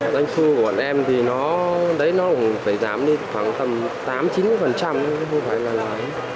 doanh thu của bọn em thì nó cũng phải giảm đi khoảng tám chín thôi không phải là lớn